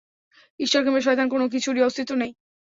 ঈশ্বর কিংবা শয়তান-কোনও কিছুরই অস্তিত্ব নেই!